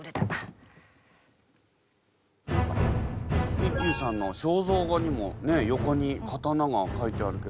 一休さんの肖像画にも横に刀が描いてあるけど。